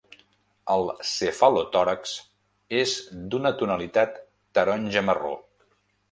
El cefalotòrax és d'una tonalitat taronja-marró.